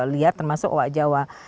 liar termasuk owa jawa